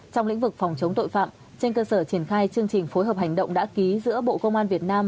trong lĩnh vực phòng chống tội phạm trên cơ sở triển khai chương trình phối hợp hành động đã ký giữa bộ công an việt nam